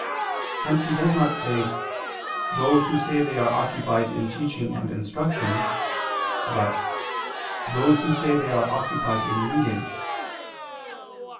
Hence he does not say: "Those who say they are occupied in teaching and instructing," but: "Those who say they are occupied in reading."